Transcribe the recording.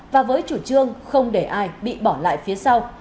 và với chủ trương không để ai bị bỏ lại phía sau